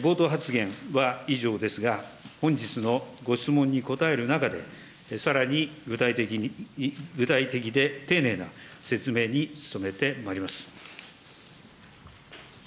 冒頭発言は以上ですが、本日のご質問に答える中で、さらに具体的で丁寧な説明に努めてまいります。